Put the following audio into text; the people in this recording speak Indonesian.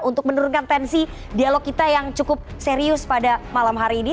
untuk menurunkan tensi dialog kita yang cukup serius pada malam hari ini